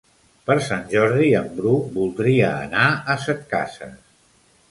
Per Sant Jordi en Bru voldria anar a Setcases.